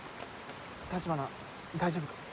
橘大丈夫か？